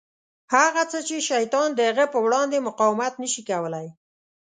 هغه څه چې شیطان د هغه په وړاندې مقاومت نه شي کولای.